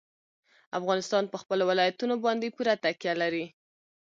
افغانستان په خپلو ولایتونو باندې پوره تکیه لري.